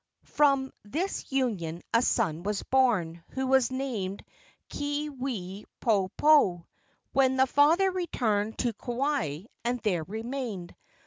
From this union a son was born, who was named Keawepoepoe, when the father returned to Kauai and there remained.